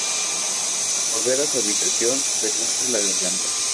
Tras volver a su habitación, se corta la garganta.